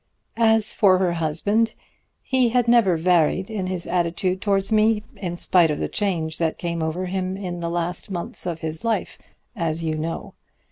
As for her husband, he had never varied in his attitude towards me, in spite of the change that came over him in the last months of his life, as you know.